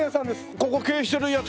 ここ経営してるやつ？